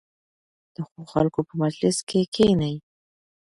د ښو خلکو په مجلس کې کښېنئ.